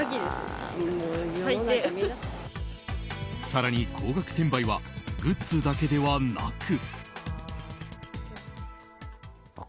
更に、高額転売はグッズだけではなく。